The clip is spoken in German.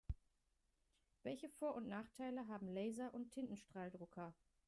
Welche Vor- und Nachteile haben Laser- und Tintenstrahldrucker?